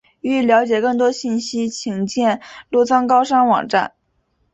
欲了解更多信息请见洛桑高商网站。